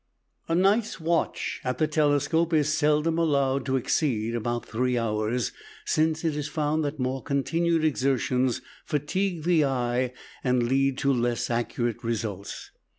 A night's "watch" at the telescope is seldom allowed to exceed about three hours, since it is found that more continued exertions fatigue the eye and lead to less accurate results.